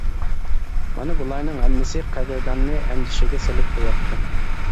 مانا بۇلارنىڭ ھەممىسى قەدىرداننى ئەندىشىگە سېلىپ قوياتتى.